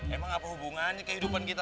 emang apa hubungannya kehidupan kita